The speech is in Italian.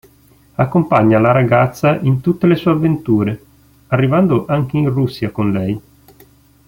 Accompagna la ragazza in tutte le sue avventure, arrivando anche in Russia con lei.